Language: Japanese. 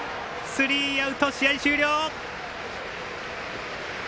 スリーアウト試合終了。